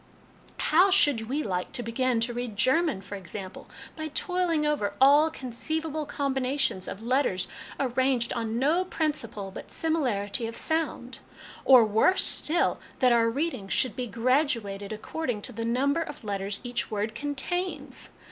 How should we like to begin to read German, for ex ample, by toiling over all conceivable combinations of letters, arranged on no principle but similarity of sound; or, worse still, that our readings should be graduated according to the number of letters each word contains